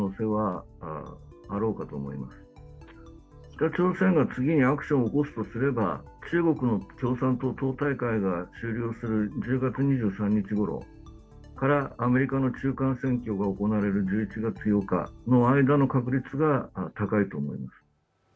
北朝鮮が次にアクションを起こすとすれば、中国の共産党中央大会がある１６日以降、アメリカの中間選挙が行われる１１月８日の間の確率が高いと思います。